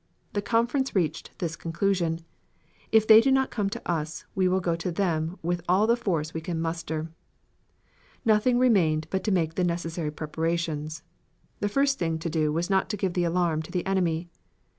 The conference reached this conclusion: 'If they do not come to us, we will go to them with all the force we can muster.' Nothing remained but to make the necessary preparations. The first thing to do was not to give the alarm to the enemy.